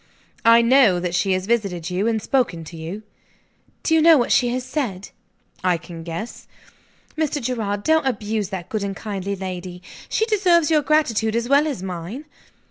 "I know that she has visited you, and spoken to you." "Do you know what she has said?" "I can guess." "Mr. Gerard, don't abuse that good and kind lady. She deserves your gratitude as well as mine."